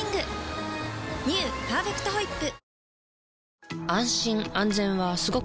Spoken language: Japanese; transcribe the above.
「パーフェクトホイップ」